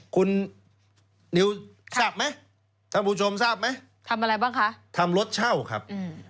คุณนิวทราบไหมทำรถเช่าครับ